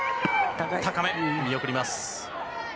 高め、見送ります。